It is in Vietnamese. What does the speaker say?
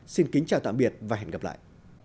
xin kính chào tạm biệt và hẹn gặp lại